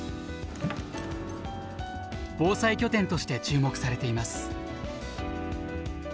防災拠点として注目されています。